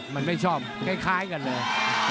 มันไม่ชอบใกล้กันเลย